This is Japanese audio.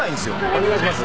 お願いします。